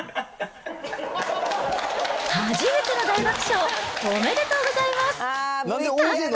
初めての大爆笑、おめでとうございます。